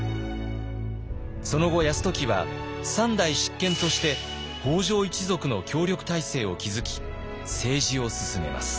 その後泰時は３代執権として北条一族の協力体制を築き政治を進めます。